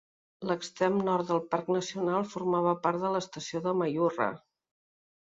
L'extrem nord del parc nacional formava part de l'estació de Mayurra.